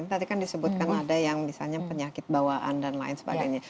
tadi kan disebutkan ada yang misalnya penyakit bawaan dan lain sebagainya